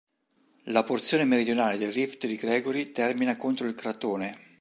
La porzione meridionale del rift di Gregory termina contro il cratone.